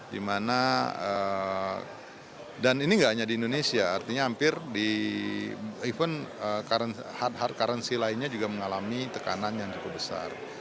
dimana dan ini nggak hanya di indonesia artinya hampir di even hard hard currency lainnya juga mengalami tekanan yang cukup besar